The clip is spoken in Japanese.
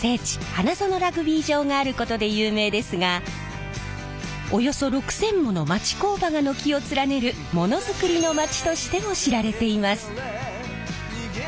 花園ラグビー場があることで有名ですがおよそ６，０００もの町工場が軒を連ねるモノづくりのまちとしても知られています。